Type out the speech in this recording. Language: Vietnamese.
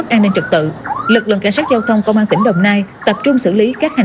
các đội trạm thuộc cảnh sát giao thông công an tỉnh đồng nai đã tuần tra